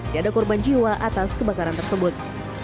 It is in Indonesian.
tidak ada korban jiwa atas kebakaran tersebut